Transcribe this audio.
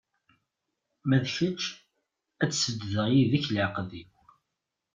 Ma d kečč, ad sbeddeɣ yid-k leɛqed-iw.